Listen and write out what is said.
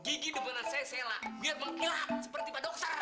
gigi beneran saya selak biar mengkilat seperti pak dokter